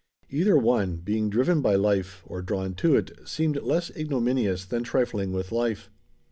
Either one, being driven by life, or drawn to it, seemed less ignominious than trifling with life.